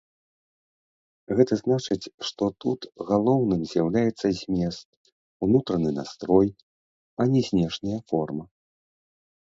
Гэта значыць, што тут галоўным з'яўляецца змест, унутраны настрой, а не знешняя форма.